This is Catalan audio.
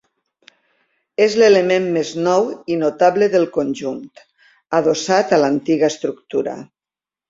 És l'element més nou i notable del conjunt, adossat a l'antiga estructura.